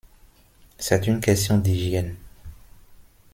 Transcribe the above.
C'est une question d'hygiène.